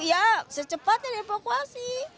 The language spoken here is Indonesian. ya secepatnya dievakuasi